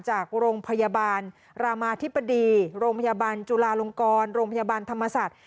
จากโรงพยาบาลรามาธิบดีโรงพยาบาลจุลาลงกรโรงพยาบาลธรรมศาสตร์